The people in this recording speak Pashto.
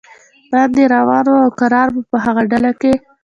باندې روان و او کرار مو په هغه ډله کې.